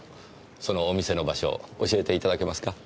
そのお店の場所教えていただけますか？